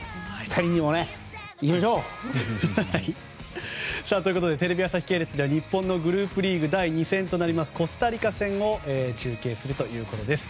２人にもね！ということでテレビ朝日系列では日本のグループリーグ第２戦となるコスタリカ戦を中継するということです。